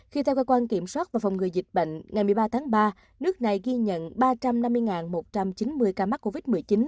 khi theo cơ quan kiểm soát và phòng ngừa dịch bệnh ngày một mươi ba tháng ba nước này ghi nhận ba trăm năm mươi một trăm chín mươi ca mắc covid một mươi chín